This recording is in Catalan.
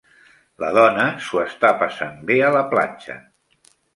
La dona s'ho està passant bé a la platja.